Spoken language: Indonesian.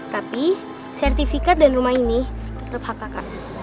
tapi sertifikat dan rumah ini tetap hak kakak